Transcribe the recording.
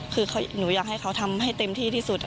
คือหนูอยากให้เขาทำให้เต็มที่ที่สุด